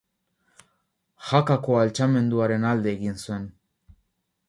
Jakako altxamenduaren alde egin zuen.